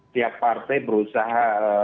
tiap partai berusaha